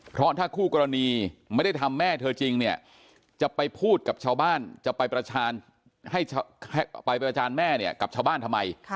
เพราะถ้าคู่กรณีไม่ได้ทำแม่เธอจริงเนี่ยจะไปพูดกับชาวบ้านจะไปประจานแม่เนี่ยกับชาวบ้านทำไม